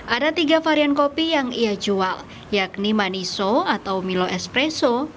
ada tiga varian kopi yang ia jual yakni maniso atau miloes preso